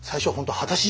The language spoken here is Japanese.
果たし状！